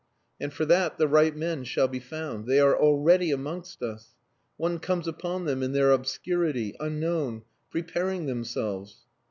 And for that the right men shall be found. They are already amongst us. One comes upon them in their obscurity, unknown, preparing themselves...."